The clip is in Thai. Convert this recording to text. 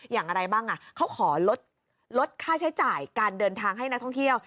อย่างไรบ้างเขาขอลดค่าใช้จ่ายการเดินทางให้นักท่องเที่ยว